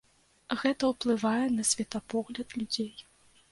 Гэта ўплывае на светапогляд людзей.